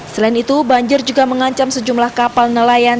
selain itu banjir juga mengancam sejumlah kapal nelayan